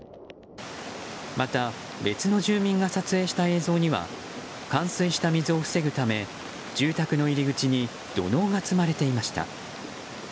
また、別の住民が撮影した映像には冠水した水を防ぐため住宅の入り口に土のうが積まれていました。